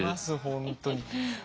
本当に。